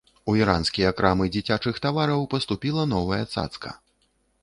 У іранскія крамы дзіцячых тавараў паступіла новая цацка.